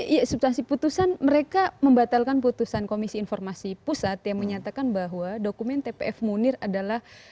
ya substansi putusan mereka membatalkan putusan komisi informasi pusat yang menyatakan bahwa dokumen tpf munir adalah